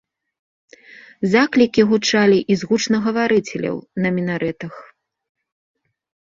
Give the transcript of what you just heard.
Заклікі гучалі і з гучнагаварыцеляў на мінарэтах.